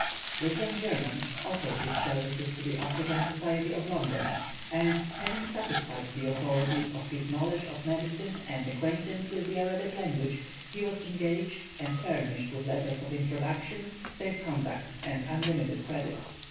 This young German offered his services to the African Society of London, and, having satisfied the authorities of his knowledge of medicine and acquaintance with the Arabic language, he was engaged, and furnished with letters of introduction, safe conducts, and unlimited credit.